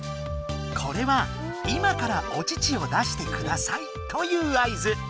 これは「今からお乳を出してください」という合図。